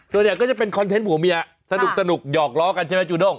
ส่วนใหญ่ก็จะเป็นคอนเทนต์ผัวเมียสนุกหยอกล้อกันใช่ไหมจูด้ง